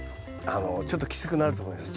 ちょっときつくなると思います。